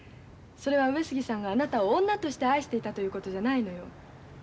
それは上杉さんがあなたを女として愛していたということじゃないのよ。